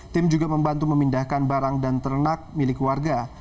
tim juga membantu memindahkan barang dan ternak milik warga